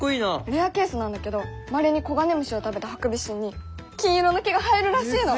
レアケースなんだけどまれに黄金虫を食べたハクビシンに金色の毛が生えるらしいの！